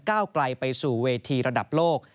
ก้าวไกลไปสู่เวทีระดับโลก